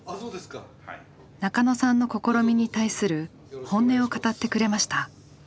中野さんの試みに対する本音を語ってくれました。